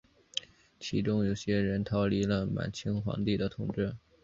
其中有些人逃离了满清皇帝的统治。